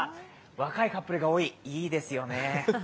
若いカップルが多い、いいですよね。